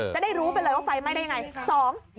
จะได้รู้เป็นอะไรว่าไฟไหม้ได้อย่างไร